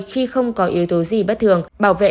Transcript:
khi không có yếu tố gì bất thường bảo vệ